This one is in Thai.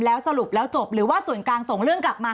แล้วสรุปแล้วจบหรือว่าส่วนกลางส่งเรื่องกลับมา